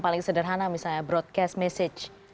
paling sederhana misalnya broadcast message